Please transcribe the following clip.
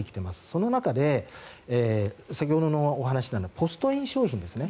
その中で先ほどのお話にもあったポストイン商品ですね。